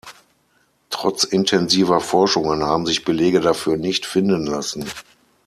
Trotz intensiver Forschungen haben sich Belege dafür nicht finden lassen.